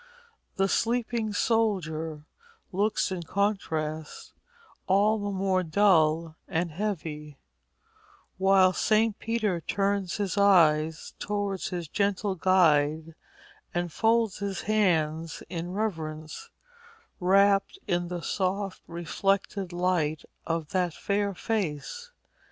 The sleeping soldier looks in contrast all the more dull and heavy, while St. Peter turns his eyes towards his gentle guide and folds his hands in reverence, wrapped in the soft reflected light of that fair face.